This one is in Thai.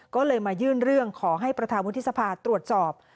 ก็เลยมายื่นเรื่องขอให้ประธานวุฒิสภาตรวจสอบ